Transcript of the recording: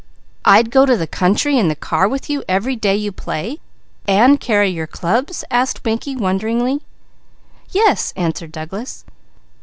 "I'd go to the country in the car with you, every day you play, and carry your clubs?" asked Mickey wonderingly. "Yes," answered Douglas.